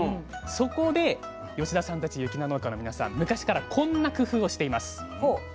そこで田さんたち雪菜農家の皆さん昔からこんな工夫をしています。